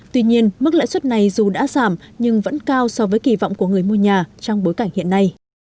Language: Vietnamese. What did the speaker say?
tuy nhiên mức lãi suất này dù đã giảm nhưng vẫn cao so với kỳ vọng của người mua nhà trong bối cảnh hiện nay